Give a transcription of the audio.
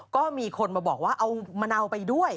ก็มีคนมาบอกว่าเอามะนาวไปด้วย